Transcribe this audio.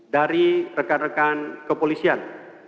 dari rekan rekan kepolisian